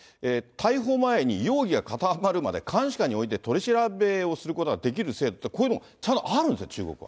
逮捕前に容疑が固まるまで監視下に置いて取り調べをすることができる制度って、こういうのがただあるんですね、中国は。